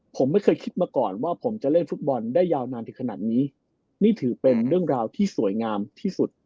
ผมไม่เคยคิดมาก่อนว่าผมจะเล่นฟุตบอลได้ยาวนานถึงขนาดนี้